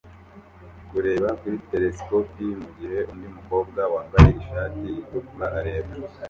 kureba kuri telesikope mugihe undi mukobwa wambaye ishati itukura areba